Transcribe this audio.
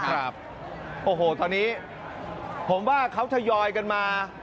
ครับโอ้โหตอนนี้ผมว่าเขาทยอยกันมา